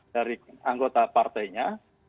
dari anggota partainya